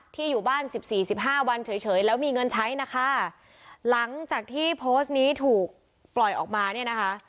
อยู่บ้านสิบสี่สิบห้าวันเฉยเฉยแล้วมีเงินใช้นะคะหลังจากที่โพสต์นี้ถูกปล่อยออกมาเนี่ยนะคะ